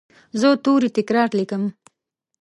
زه توري تکرار لیکم.